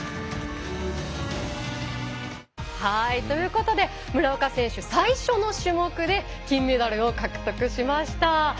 ということで村岡選手、最初の種目で金メダルを獲得しました。